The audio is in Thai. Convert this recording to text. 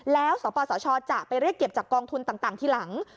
แล้วสปสชจะไปเรียกเก็บจากกองทุนต่างทีหลัง